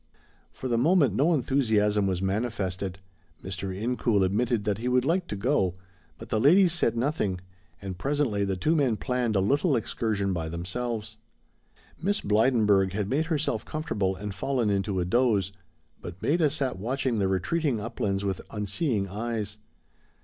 For the moment no enthusiasm was manifested. Mr. Incoul admitted that he would like to go, but the ladies said nothing, and presently the two men planned a little excursion by themselves. Miss Blydenburg had made herself comfortable and fallen into a doze, but Maida sat watching the retreating uplands with unseeing eyes.